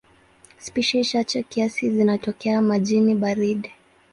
Spishi chache kiasi tu zinatokea majini baridi.